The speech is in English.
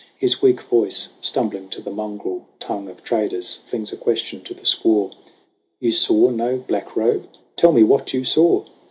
His weak voice, stumbling to the mongrel tongue Of traders, flings a question to the squaw : "You saw no Black Robe? Tell me what you saw!"